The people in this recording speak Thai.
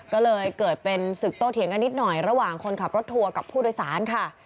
ก็เลยเกิดเป็นศึกโตเถียงกันนิดหน่อยระหว่างคนขับรถทัวร์กับผู้โดยสารค่ะ